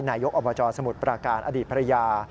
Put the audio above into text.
นายกอบจสมุทรปราการอดีตภรรยา